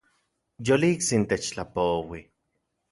Yoliktsin techtlapoui